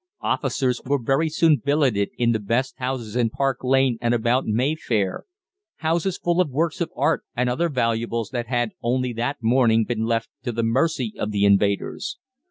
Officers were very soon billeted in the best houses in Park Lane and about Mayfair houses full of works of art and other valuables that had only that morning been left to the mercy of the invaders.